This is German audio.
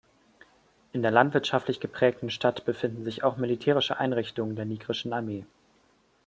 In der landwirtschaftlich geprägten Stadt befinden sich auch militärische Einrichtungen der nigrischen Armee.